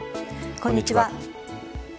こんにちは。